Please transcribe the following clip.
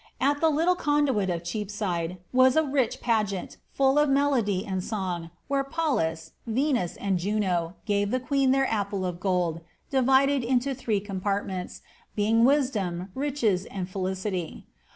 At the little conduit of Cheapside was a rich paget full of melody and song, where Pallas, Venus, and Juno, gave the qn< their apple of gold, divided into three compartments, being wi^c riches, and felicity.